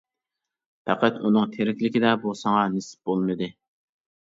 پەقەت ئۇنىڭ تىرىكلىكىدە بۇ ساڭا نېسىپ بولمىدى.